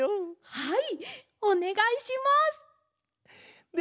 はい。